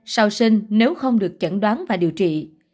sau sinh nếu không được chẩn đoán và điều trị